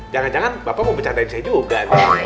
jangan jangan bapak mau bercandain saya juga